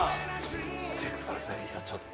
待ってくださいよちょっと。